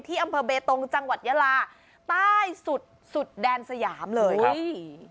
อำเภอเบตงจังหวัดยาลาใต้สุดสุดแดนสยามเลยอุ้ย